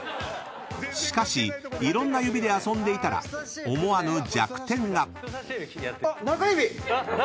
［しかしいろんな指で遊んでいたら思わぬ弱点が］中指！